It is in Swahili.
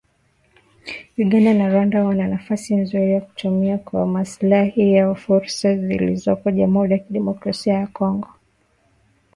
Uganda na Rwanda wana nafasi nzuri ya kutumia kwa maslahi yao fursa zilizoko Jamhuri ya Kidemokrasia ya Kongo